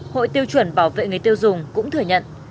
hội tiêu chuẩn bảo vệ người tiêu dùng cũng thừa nhận